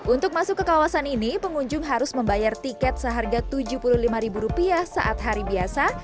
untuk masuk ke kawasan ini pengunjung harus membayar tiket seharga rp tujuh puluh lima saat hari biasa